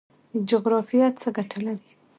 جغرافیه څه ګټه لري؟